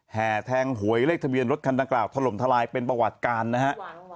แห่แทงหวยเลขทะเบียนรถคันดังกล่าวถล่มทลายเป็นประวัติการนะฮะ